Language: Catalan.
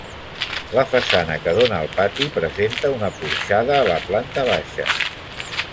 La façana que dóna al pati presenta una porxada a la planta baixa.